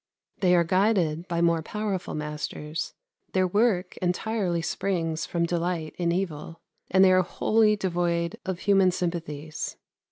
They are guided by more powerful masters, their work entirely springs from delight in evil, and they are wholly devoid of human sympathies....